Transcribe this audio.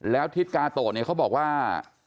แล้วทิศกาโตะเนี่ยเขาบอกว่า